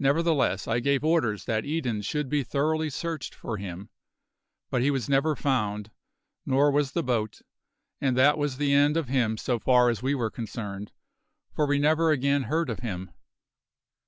Nevertheless, I gave orders that Eden should be thoroughly searched for him; but he was never found, nor was the boat, and that was the end of him so far as we were concerned, for we never again heard of him.